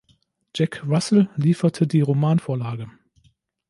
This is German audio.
Jack Russell lieferte die Romanvorlage.